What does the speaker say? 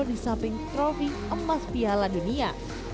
di samping trofi emas piala dunia